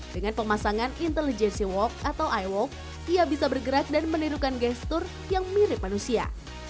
dengan pemasangan intelligency walk atau i walk ia bisa bergerak dan menirukan gestur yang mirip manusia